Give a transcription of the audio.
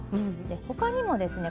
他にもですね